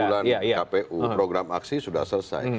sejak dua bulan kpu program aksi sudah selesai